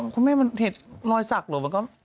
คุณแม่มันเห็นรอยสักเหรอ